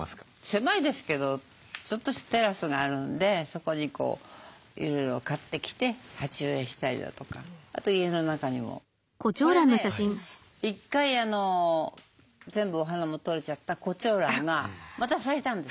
狭いですけどちょっとしたテラスがあるんでそこにいろいろ買ってきて鉢植えしたりだとかあと家の中にも。これね１回全部お花も取れちゃったコチョウランがまた咲いたんです。